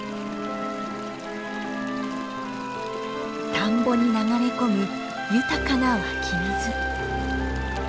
田んぼに流れ込む豊かな湧き水。